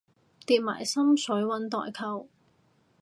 疊埋心水搵代購